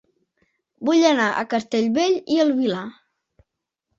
Vull anar a Castellbell i el Vilar